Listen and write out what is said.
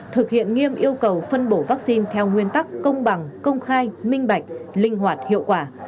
thực hiện nghiêm yêu cầu phân bổ vaccine theo nguyên tắc công bằng công khai minh bạch linh hoạt hiệu quả